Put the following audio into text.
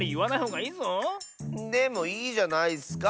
でもいいじゃないスか